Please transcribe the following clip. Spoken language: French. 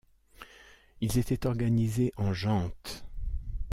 Ils étaient organisées en gentes.